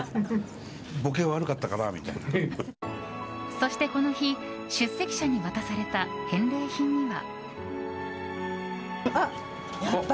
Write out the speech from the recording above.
そして、この日出席者に渡された返礼品には。